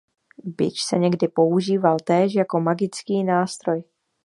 Bič se někdy používal též jako magický nástroj.